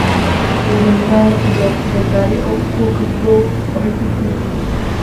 دنیایەکی دەربارەی ئەو کۆ کردبۆوە و ڕێکی کردبوو